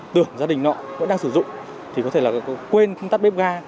tưởng gia đình nọ vẫn đang sử dụng thì có thể là quên khung tắt bếp ga